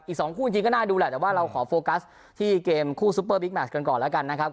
อีก๒คู่จริงก็น่าดูแหละแต่ว่าเราขอโฟกัสที่เกมคู่ซุปเปอร์บิ๊กแมชกันก่อนแล้วกันนะครับ